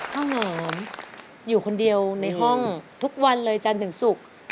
ข้าวหอมอยู่คนเดียวในห้องทุกวันเลยจันถึงสุก